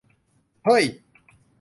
เฮ้ย !